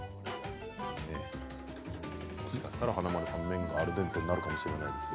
もしかしたら、華丸さん麺がアルデンテになるかもしれないですよ。